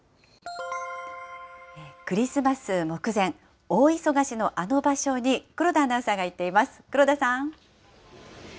クリスマス目前、大忙しのあの場所に黒田アナウンサーが行っています。